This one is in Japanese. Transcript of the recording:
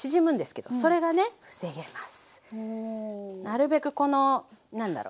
なるべくこのなんだろ。